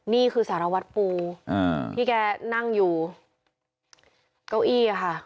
นี่คือสารวัตรปูที่แกนั่งอยู่เก้าอี้ค่ะ